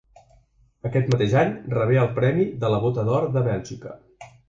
Aquest mateix any rebé el premi de la Bota d'Or de Bèlgica.